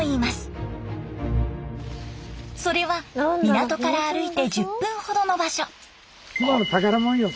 それは港から歩いて１０分ほどの場所。